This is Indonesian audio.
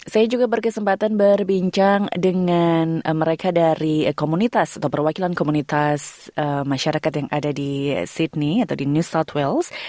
saya juga berkesempatan berbincang dengan mereka dari komunitas atau perwakilan komunitas masyarakat yang ada di sydney atau di new south wales